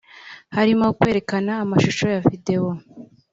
harimo kwerekana amashusho